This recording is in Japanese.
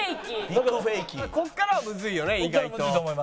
ここからはむずいよね意外と。